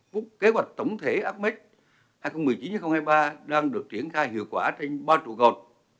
phúc kế hoạch tổng thể ames hai nghìn một mươi chín hai nghìn hai mươi ba đang được triển khai hiệu quả trên ba trụ gột